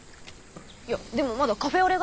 いやでもまだカフェオレが。